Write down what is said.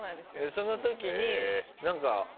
その時になんか。